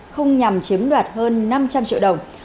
không nhằm chiếm đoạt hơn năm trăm linh triệu đồng